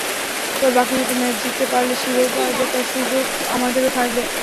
তবে বাকি দুটি ম্যাচ জিততে পারলে শিরোপা জেতার সুযোগ আমাদেরও থাকবে।